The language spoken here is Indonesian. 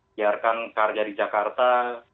biarkan kerja di jakarta